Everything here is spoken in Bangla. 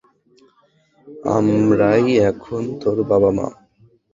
আমরাই এখন তোর বাবা-মা।